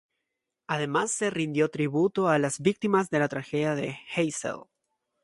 Además se rindió tributo a las víctimas de la Tragedia de Heysel.